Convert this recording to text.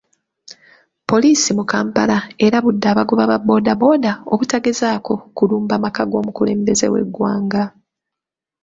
Poliisi mu Kampala erabudde abagoba ba boda boda obutagezaako kulumba maka g'omukulembeze w'eggwanga.